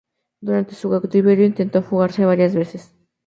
Durante su cautiverio intentó fugarse varias veces.